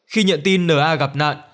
khi nhận tin n a gặp nạn